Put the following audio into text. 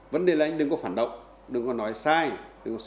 vấn đề là đừng có phản động đừng có nói sai đừng có xuyên tạp đừng có vụ lợi